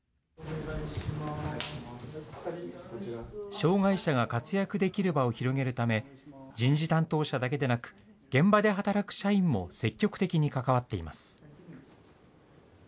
障害者が活躍できる場を広げるため、人事担当者だけでなく、現場で働く社員も積極的に関わっています。